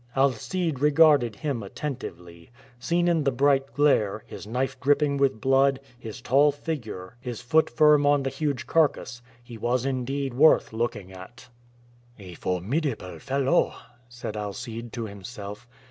Alcide regarded him attentively. Seen in the bright glare, his knife dripping with blood, his tall figure, his foot firm on the huge carcass, he was indeed worth looking at. "A formidable fellow," said Alcide to himself.